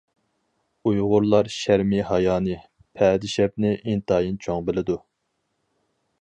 ئۇيغۇرلار شەرمى-ھايانى، پەردىشەپنى ئىنتايىن چوڭ بىلىدۇ.